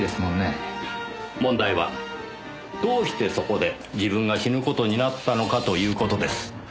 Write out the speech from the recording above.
問題はどうしてそこで自分が死ぬ事になったのかという事です。